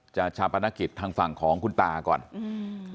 ชาปนกิจทางฝั่งของคุณตาก่อนอืม